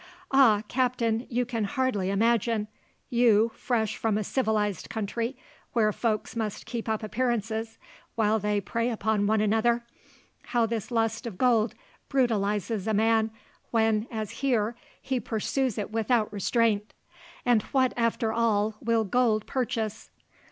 Ah, Captain, you can hardly imagine you, fresh from a civilized country, where folks must keep up appearances, while they prey upon one another how this lust of gold brutalizes a man when, as here, he pursues it without restraint. And what, after all, will gold purchase?"